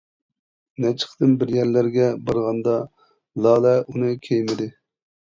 نەچچە قېتىم بىر يەرلەرگە بارغاندا لالە ئۇنى كىيمىدى.